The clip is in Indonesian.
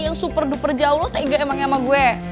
yang super duper jauh lo tega emangnya sama gue